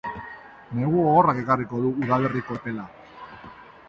Negu gogorrak ekarriko du udaberriko epela.